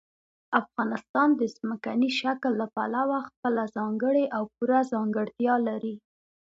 افغانستان د ځمکني شکل له پلوه خپله ځانګړې او پوره ځانګړتیا لري.